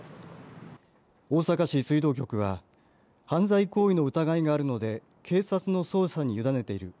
大阪市水道局は犯罪行為の疑いがあるので警察の捜査にゆだねている。